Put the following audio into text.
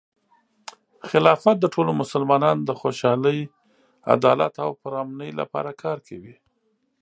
خلافت د ټولو مسلمانانو د خوشحالۍ، عدالت، او پرامنۍ لپاره کار کوي.